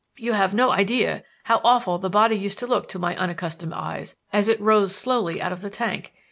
You have no idea how awful the body used to look to my unaccustomed eyes, as it rose slowly out of the tank.